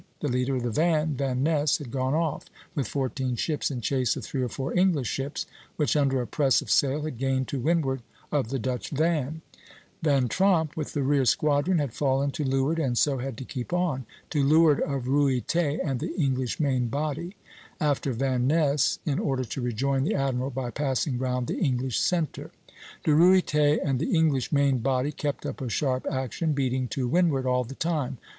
The leader of the van, Van Ness, had gone off with fourteen ships in chase of three or four English ships, which under a press of sail had gained to windward of the Dutch van [Fig. 1, V]. Van Tromp with the rear squadron had fallen to leeward, and so had to keep on [to leeward of Ruyter and the English main body, Fig. 1, R] after Van Ness, in order to rejoin the admiral by passing round the English centre." De Ruyter and the English main body kept up a sharp action, beating to windward all the time.